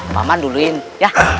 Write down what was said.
pak man duluin ya